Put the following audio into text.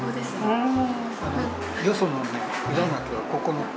うん。